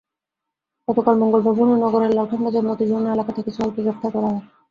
গতকাল মঙ্গলবার ভোরে নগরের লালখান বাজার মতিঝর্ণা এলাকা থেকে সোহেলকে গ্রেপ্তার করা হয়।